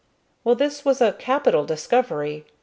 Well, this was a capital discovery.